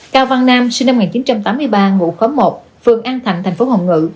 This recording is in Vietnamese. cao văn nam sinh năm một nghìn chín trăm tám mươi ba ngụ khóm một phường an thạnh thành phố hồng ngự